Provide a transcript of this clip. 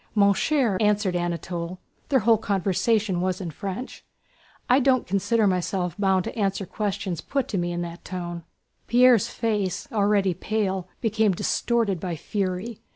"Mon cher," answered Anatole (their whole conversation was in French), "I don't consider myself bound to answer questions put to me in that tone." Pierre's face, already pale, became distorted by fury.